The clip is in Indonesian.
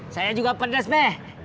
saya juga pedes be